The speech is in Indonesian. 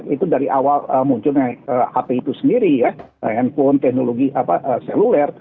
itu dari awal munculnya hp itu sendiri ya handphone teknologi seluler